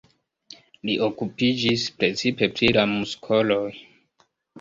Li okupiĝis precipe pri la muskoloj.